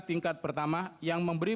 tingkat pertama yang memberi